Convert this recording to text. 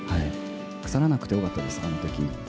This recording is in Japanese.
腐らなくてよかったです、あのとき。